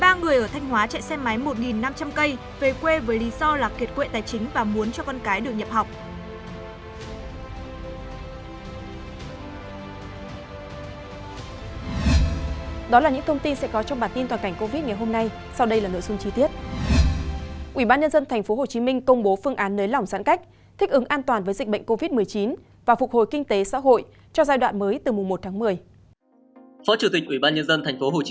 một mươi ba người ở thanh hóa chạy xe máy một năm trăm linh cây về quê với lý do là kiệt quệ tài chính và muốn cho con cái được nhập học